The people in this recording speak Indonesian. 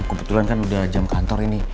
kebetulan kan udah jam kantor ini